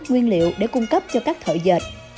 nguyên liệu để cung cấp cho các thợ dịch